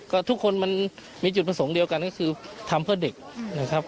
ก็ทุกคนมันมีจุดประสงค์เดียวกันก็คือทำเพื่อเด็กนะครับ